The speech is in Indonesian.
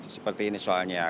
seperti ini soalnya